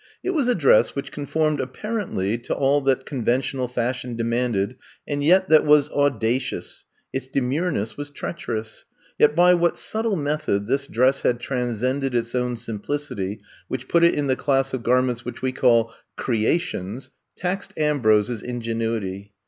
It was a dress which conformed apparently to all that conven tional fashion demanded and yet that was audacious; its demureness was treacher ous. Yet by what subtle method this dress had transcended its own simplicity which put it in the class of garments which we call '* creations" taxed Ambrose's ingenu ity.